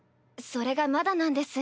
それがまだなんです。